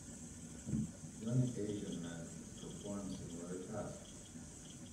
Young Asian men perform similar task.